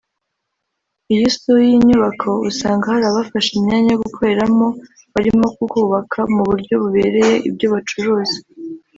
Iyo usuye iyi nyubako usanga hari abafashe imyanya yo gukoreramo barimo kubaka mu buryo bubereye ibyo bacuruza